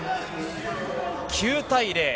９対０。